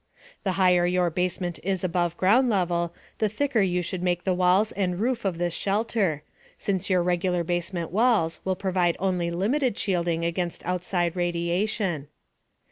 The higher your basement is above ground level, the thicker you should make the walls and roof of this shelter, since your regular basement walls will provide only limited shielding against outside radiation.